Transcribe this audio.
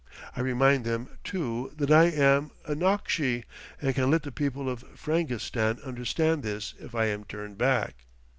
I remind them, too, that I am a "nokshi," and can let the people of Frangistan understand this if I am turned back.